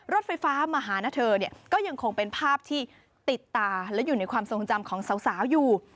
รถไฟฟ้ามาหานะเธอเนี่ยก็ยังคงเป็นภาพที่ติดตาและอยู่ในความทรงจำของสาวอยู่